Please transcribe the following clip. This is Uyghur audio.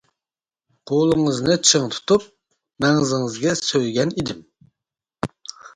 قولىڭىزنى چىڭ تۇتۇپ، مەڭزىڭىز سۆيگەن ئىدىم.